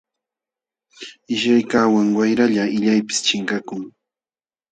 Qishyakaqwan wayralla qillaypis chinkakun.